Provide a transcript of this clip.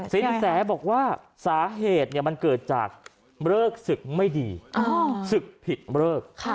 สินแสบอกว่าสาเหตุมันเกิดจากเลิกศึกไม่ดีศึกผิดเลิก